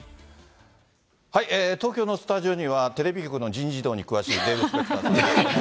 東京のスタジオには、テレビ局の人事異動に詳しいデーブ・スペクターさんです。